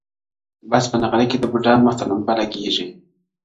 بس په نغري کي د بوډا مخ ته لمبه لګیږي٫